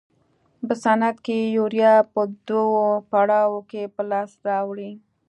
په صنعت کې یوریا په دوو پړاوونو کې په لاس راوړي.